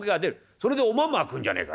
それでおまんま食うんじゃねえか。